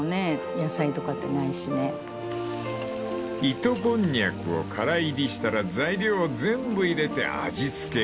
［糸こんにゃくをからいりしたら材料を全部入れて味付け］